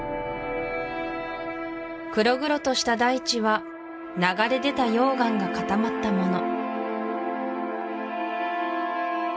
黒々とした大地は流れ出た溶岩が固まったもの